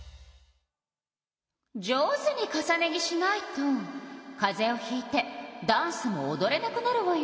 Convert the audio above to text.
上手に重ね着しないとかぜをひいてダンスもおどれなくなるわよ。